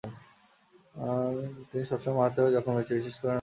এই তিনজন মারাত্মকভাবে জখম হয়েছে, বিশেষ করে মাকি।